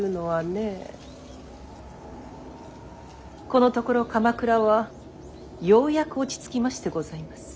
このところ鎌倉はようやく落ち着きましてございます。